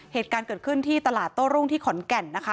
เหตุการณ์เกิดขึ้นที่ตลาดโต้รุ่งที่ขอนแก่นนะคะ